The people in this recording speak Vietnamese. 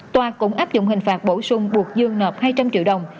tòa cũng áp dụng hình phạt bổ sung buộc dương nộp hai trăm linh triệu đồng